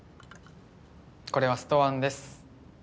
これはストワンです。